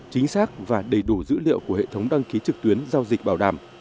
chính xác và đầy đủ dữ liệu của hệ thống đăng ký trực tuyến giao dịch bảo đảm